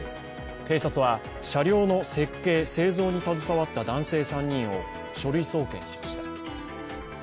警察は、車両の設計・製造に携わった男性３人を書類送検しました。